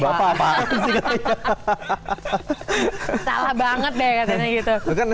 salah banget deh katanya gitu